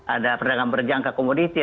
ada perdagangan berjangka komoditi